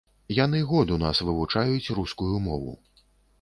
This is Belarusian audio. Яны год у нас вывучаюць рускую мову.